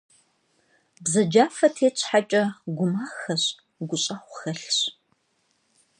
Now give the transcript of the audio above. Бзаджафэ тет щхьэкӏэ, гумахэщ, гущӏэгъу хьэлъщ.